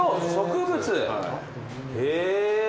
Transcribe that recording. へえ。